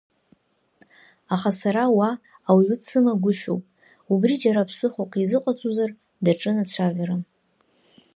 Аха сара уа ауаҩы дсымагәышьоуп, убри џьара ԥсыхәак изыҟаҵозар, даҿын ацәажәара.